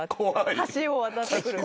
橋を渡ってくるの。